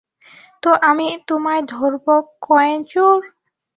তো আমি তোমায় ধরব, কয়েন চোর।